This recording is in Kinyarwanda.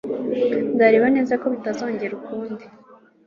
Nzareba neza ko bitazongera ukundi